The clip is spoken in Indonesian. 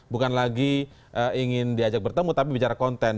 bukan lagi ingin diajak bertemu tapi bicara konten